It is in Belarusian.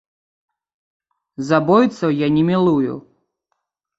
Забойцаў я не мілую!